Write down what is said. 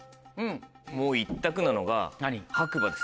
もう一択なのが白馬です。